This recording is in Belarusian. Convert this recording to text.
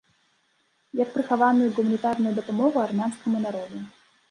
Як прыхаваную гуманітарную дапамогу армянскаму народу.